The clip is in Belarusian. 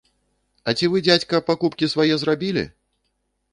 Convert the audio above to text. А ці вы, дзядзька, пакупкі свае зрабілі?